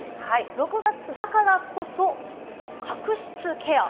６月だからこそ、角質ケア。